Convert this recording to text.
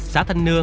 xã thanh nưa